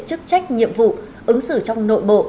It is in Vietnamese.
chức trách nhiệm vụ ứng xử trong nội bộ